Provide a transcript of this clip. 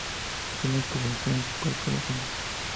Tiene incubación bucal por las hembras.